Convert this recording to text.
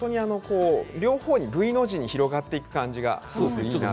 両方にＶの字に広がっていく感じが。